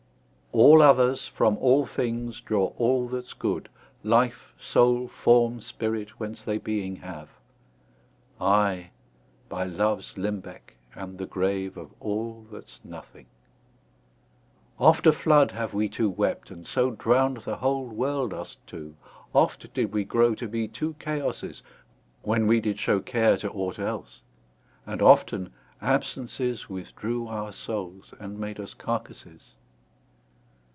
All others, from all things, draw all that's good, Life, soule, forme, spirit, whence they beeing have; I, by loves limbecke, am the grave Of all, that's nothing. Oft a flood Have wee two wept, and so Drownd the whole world, us two; oft did we grow To be two Chaosses, when we did show Care to ought else; and often absences Withdrew our soules, and made us carcasses.